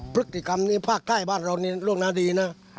พฤติกรรมนี้ภาคใต้บ้านเรานี่ล่วงหน้าดีนะ